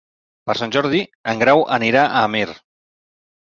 Per Sant Jordi en Grau anirà a Amer.